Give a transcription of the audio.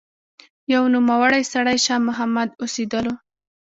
يو نوموړی سړی شاه محمد اوسېدلو